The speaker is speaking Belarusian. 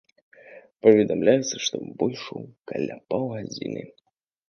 Паведамляецца, што бой ішоў каля паўгадзіны.